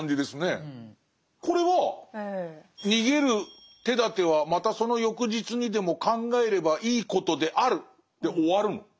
これは「逃げるてだてはまたその翌日にでも考えればいいことである」で終わるの？